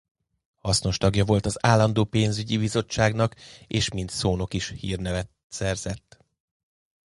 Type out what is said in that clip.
Hasznos tagja volt az állandó pénzügyi bizottságnak és mint szónok is hírnevet szerzett.